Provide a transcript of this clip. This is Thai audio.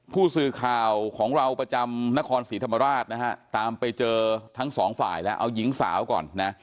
ผู้สื่อข่าวของเราประจำนครศรีธรรมราชนะฮะตามไปเจอทั้งสองฝ่ายแล้วเอาหญิงสาวก่อนนะ